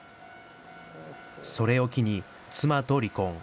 それを機に、妻と離婚。